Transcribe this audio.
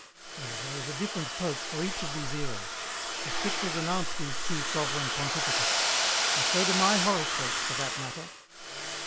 Well, there is a different pope for each of these eras. The Scriptures announce these two sovereign pontificates and so do my horoscopes, for that matter.